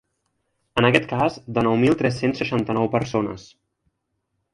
En aquest cas de nou mil tres-cents seixanta-nou persones.